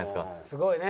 すごいね。